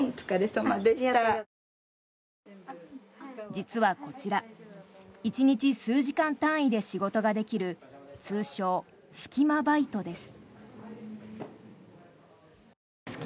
実はこちら１日数時間単位で仕事ができる通称スキマバイトです。